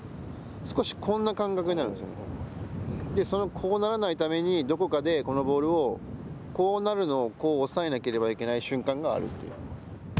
こうならないために、どこかでこのボールをこうなるのをこう押さえなければいけない瞬間がある。